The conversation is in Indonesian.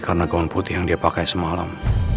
karena gaun putih yang dia pakai semalam